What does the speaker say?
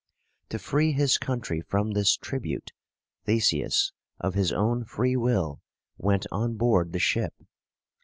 To free his country from this tribute, Theseus, of his own free will, went on board the ship.